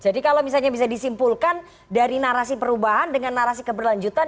jadi kalau misalnya bisa disimpulkan dari narasi perubahan dengan narasi keberlanjutan